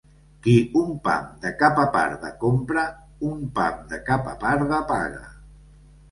Qui un pam de capa parda compra, un pam de capa parda paga.